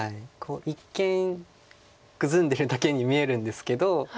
一見グズんでるだけに見えるんですけど。